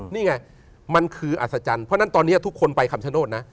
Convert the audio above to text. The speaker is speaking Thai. นี่ไงมันคืออัศจรรย์เพราะฉะนั้นตอนนี้ทุกคนไปคำชโนธนะ